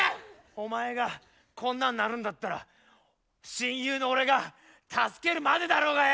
お前がこんなんなるんだったら親友の俺が助けるまでだろうがよ！